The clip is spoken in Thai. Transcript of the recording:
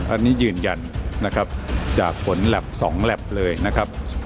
อันนี้ยืนยันจากผล๒แหลปเลยนะครับ